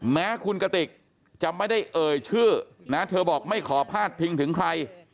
แม้คุณกติกจะไม่ได้เอ่ยชื่อนะเธอบอกไม่ขอพาดพิงถึงใคร